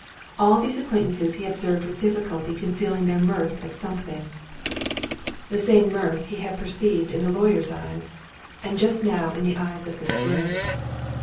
All these acquaintances he observed with difficulty concealing their mirth at something; the same mirth that he had perceived in the lawyer's eyes, and just now in the eyes of this groom.